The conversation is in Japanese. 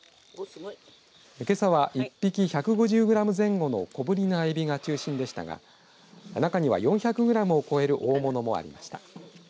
けさは１匹１５０グラム前後の小ぶりなエビが中心でしたが中には４００グラムを超える大物もありました。